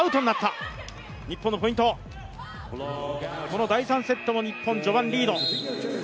この第３セットも日本、序盤リード。